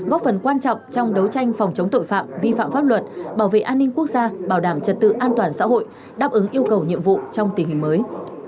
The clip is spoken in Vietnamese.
góp phần quan trọng trong đấu tranh phòng chống tội phạm vi phạm pháp luật bảo vệ an ninh quốc gia bảo đảm trật tự an toàn xã hội đáp ứng yêu cầu nhiệm vụ trong tình hình mới